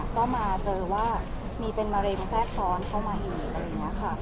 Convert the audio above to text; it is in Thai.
ก็มาเจอว่ามีเป็นมะเร็งแทรกซ้อนเข้ามาอีก